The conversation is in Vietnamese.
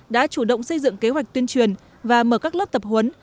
đã chủ động xây dựng kế hoạch tuyên truyền và mở các lớp tập huấn